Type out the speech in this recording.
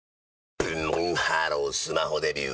ブンブンハロースマホデビュー！